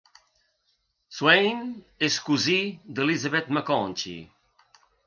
Swayne es cosí d'Elizabeth Maconchy.